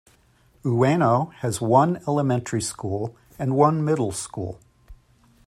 Ueno has one elementary school and one middle school.